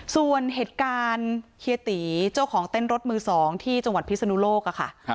ส่วนเหตุการณ์เฮียตีเจ้าของเต้นรถมือ๒ที่จังหวัดพิศนุโลกค่ะ